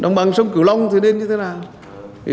đồng bằng sông cửu long thì nên như thế nào